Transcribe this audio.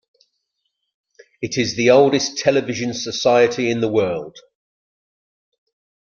It is the oldest television society in the world.